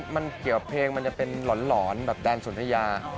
มันเกี่ยวเพลงมันจะเป็นหลอนแบบแดนสนทยา